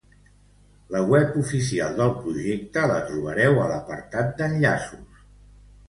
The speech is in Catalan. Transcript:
La web oficial del projecte la trobareu a l'apartat d'Enllaços.